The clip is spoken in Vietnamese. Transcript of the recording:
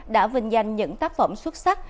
đã vinh danh những tác phẩm xuất sắc